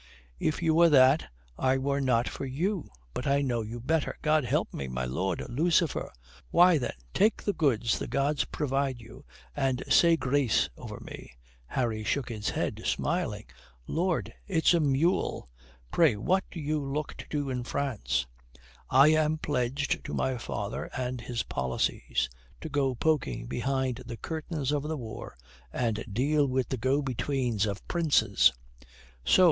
If you were that, I were not for you. But I know you better, God help me, my Lord Lucifer. Why then, take the goods the gods provide you and say grace over me." Harry shook his head, smiling. "Lord, it's a mule! Pray what do you look to do in France?" "I am pledged to my father and his policies to go poking behind the curtains of the war and deal with the go betweens of princes." "So.